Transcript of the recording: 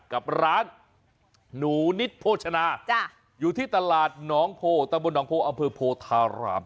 กับร้านหนูนิดโภชนาอยู่ที่ตลาดหนองโพตะบนหนองโพอำเภอโพธาราม